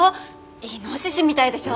イノシシみたいでしょ？